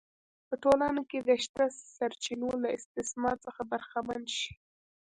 په ټولنه کې د شته سرچینو له استثمار څخه برخمن شي